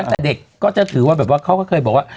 เด็กก็จะถือว่าแบบว่าเขาก็เคยบอกว่า